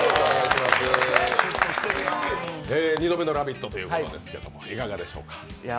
２度目の「ラヴィット！」ということですけど、いかがでしょうか？